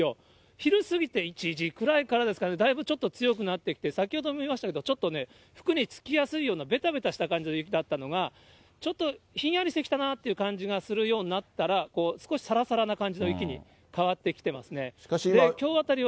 昼すぎて１時くらいからですかね、だいぶちょっと強くなってきて、先ほど見えましたけれども、ちょっと服につきやすいようなべたべたした感じの雪だったのが、ちょっとひんやりしてきたなっていう感じがするようになったら、少しさらさらな感じの雪に変わってきてますね。